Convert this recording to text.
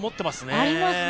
ありますね。